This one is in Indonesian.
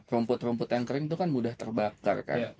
rumput rumput yang kering itu kan mudah terbakar kan